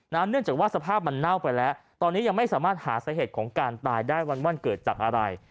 เนื่องจากว่าสภาพมันเน่าไปแล้วตอนนี้ยังไม่สามารถหาสาเหตุของการตายได้วันเกิดจากอะไร